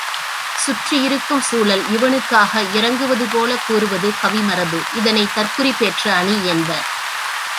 சுற்றியிருக்கும் சூழல் இவனுக்காக இரங்குவதுபோலக் கூறுவது கவிமரபு இதனைத் தற்குறிப்பேற்ற அணி என்பர்.